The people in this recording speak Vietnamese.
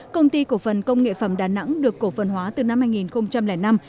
công ty cổ phần công nghệ phẩm đà nẵng được cổ phần hóa từ năm hai nghìn năm